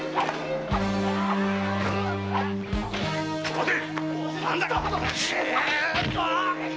待て！